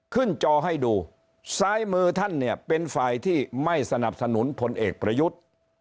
จอให้ดูซ้ายมือท่านเนี่ยเป็นฝ่ายที่ไม่สนับสนุนพลเอกประยุทธ์